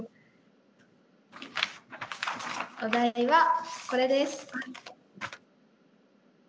お題はこれです。